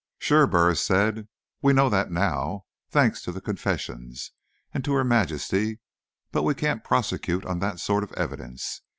"Sure," Burris said. "We know that now, thanks to the confessions, and to Her Majesty. But we can't prosecute on that sort of evidence.